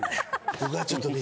僕がちょっと水。